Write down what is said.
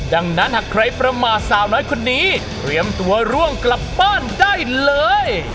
ดังนั้นหากใครประมาทสาวน้อยคนนี้เตรียมตัวร่วงกลับบ้านได้เลย